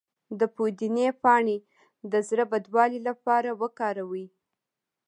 د پودینې پاڼې د زړه بدوالي لپاره وکاروئ